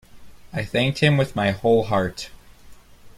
I thanked him with my whole heart.